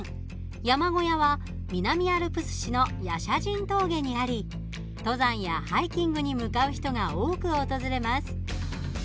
山小屋は南アルプス市の夜叉神峠にあり登山やハイキングに向かう人が多く訪れます。